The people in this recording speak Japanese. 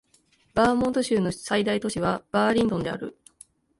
バーモント州の最大都市はバーリントンである